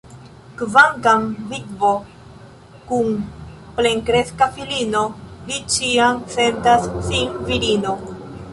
Kvankam vidvo, kun plenkreska filino, li ĉiam sentas sin virino.